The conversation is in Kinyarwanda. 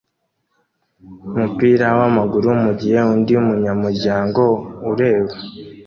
umupira wamaguru mugihe undi munyamuryango ureba